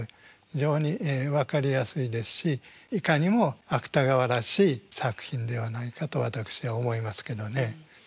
非常に分かりやすいですしいかにも芥川らしい作品ではないかと私は思いますけどね。